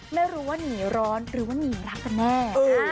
ไม่รู้ว่าหนีร้อนหรือว่าหนีรักกันแน่